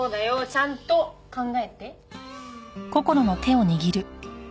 ちゃんと考えて。